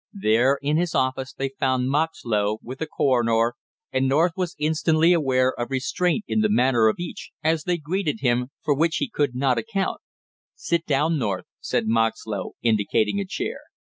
There in his office they found Moxlow with the coroner and North was instantly aware of restraint in the manner of each as they greeted him, for which he could not account. "Sit down, North," said Moxlow, indicating a chair.